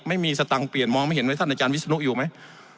ไม่มีสตังค์เปลี่ยนมองไม่เห็นไว้ท่านอาจารย์วิศนุอยู่ไหม